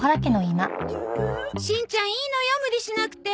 しんちゃんいいのよ無理しなくて。